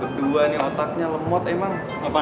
kedua nih otaknya lemot emang